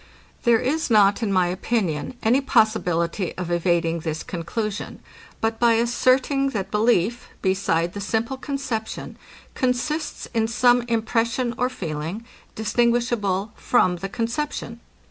There is not, in my opinion, any possibility of evading this conclusion, but by asserting, that belief, beside the simple conception, consists in some impression or feeling, distinguishable from the conception.